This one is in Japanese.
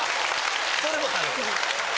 それもある。